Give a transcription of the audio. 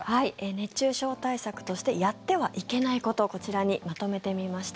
熱中症対策としてやってはいけないことこちらにまとめてみました。